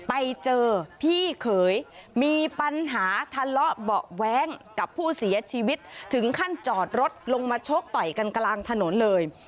ไปเจอพี่เขยมีปัญหาทะเลาะเบาะแว้งกับผู้เสียชีวิตถึงขั้นจอดรถลงมาชกต่อยกันกลางถนนเลย